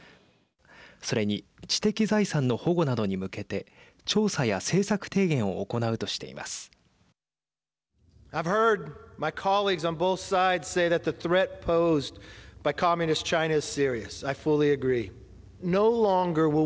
それに知的財産の保護などに向けて調査や政策提言を行うとしています。